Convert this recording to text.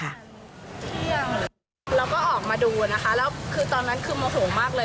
เราก็ออกมาดูนะคะแล้วคือตอนนั้นคือโมโหมากเลย